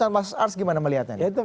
dan mas ars gimana melihatnya